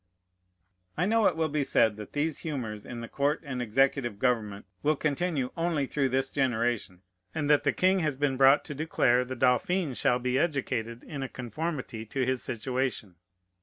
I know it will be said that these humors in the court and executive government will continue only through this generation, and that the king has been brought to declare the dauphin shall be educated in a conformity to his situation.